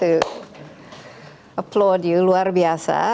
udah aplodasi lu luar biasa